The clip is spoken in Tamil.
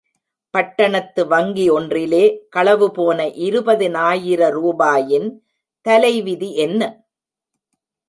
பட்டணத்து வங்கி ஒன்றிலே களவு போன இருபதினாயிர ரூபாயின் தலைவிதி என்ன?